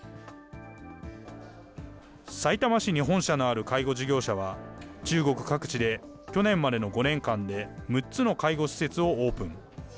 さいたま市に本社のある介護事業者は、中国各地で去年までの５年間で６つの介護施設をオープン。